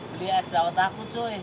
beli es daun takut